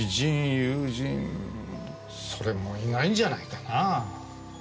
それもいないんじゃないかなぁ。